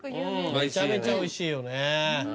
めちゃめちゃおいしいよね